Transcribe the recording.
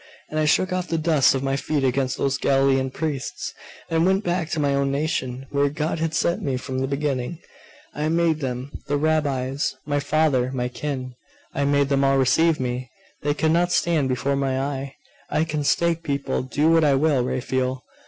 And I shook off the dust of my feet against those Galilean priests, and went back to my own nation, where God had set me from the beginning. I made them the Rabbis, my father, my kin I made them all receive me. They could not stand before my eye. I can stake people do what I will, Raphael!